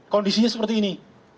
kondisinya seperti ini